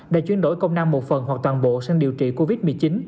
đã chuyển đổi công năng một phần hoặc toàn bộ sang điều trị covid một mươi chín